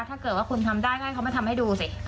ถ้าเกิดว่าคุณทำได้ก็ทำให้ดูสิ